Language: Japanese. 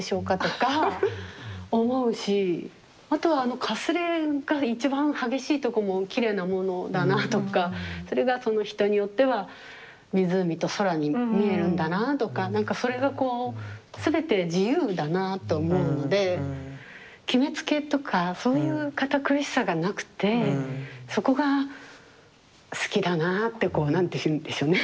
あとはかすれが一番激しいとこもきれいなものだなとかそれがその人によっては湖と空に見えるんだなあとか何かそれがこう全て自由だなあと思うので決めつけとかそういう堅苦しさがなくてそこが好きだなあってこう何て言うんでしょうね